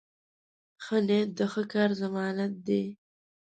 ښه نیت د ښه کار ضمانت دی.